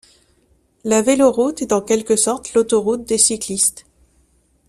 La véloroute est en quelque sorte l'autoroute des cyclistes.